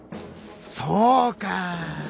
そうか！